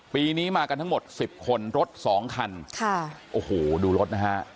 ปีนี้มากันทั้งหมดสิบคนรถสองคันค่ะโอ้โหดูรถนะฮะ